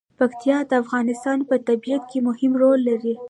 پکتیکا د افغانستان په طبیعت کې مهم رول لري.